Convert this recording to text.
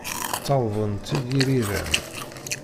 Ttawḍen-tt-id yiriran.